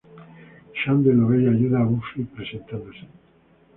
Xander lo ve y ayuda a Buffy, presentándose.